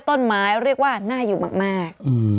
ต้นไม้เรียกว่าน่าอยู่มาก